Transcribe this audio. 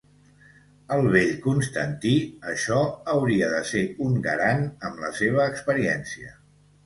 El vell Constantí això hauria de ser un garant amb la seva experiència.